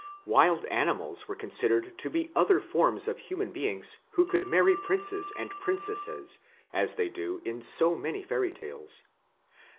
Wild animals were considered to be other forms of human beings who could marry princes and princesses as they do in so many fairy tales.